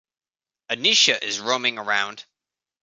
Anisha is roaming around.